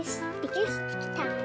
よしできた！